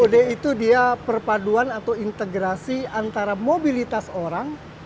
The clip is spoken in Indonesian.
tod itu dia perpaduan atau integrasi antara mobilitas orang